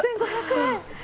７万１５００円？